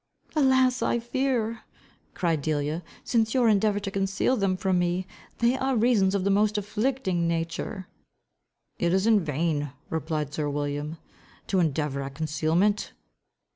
"Alas, I fear," cried Delia, "since you endeavour to conceal them from me, they are reasons of the most afflicting nature." "It is in vain," replied Sir William, "to endeavour at concealment."